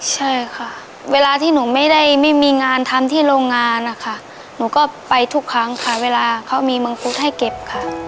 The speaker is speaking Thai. ใช่ค่ะเวลาที่หนูไม่ได้ไม่มีงานทำที่โรงงานนะคะหนูก็ไปทุกครั้งค่ะเวลาเขามีมังคุดให้เก็บค่ะ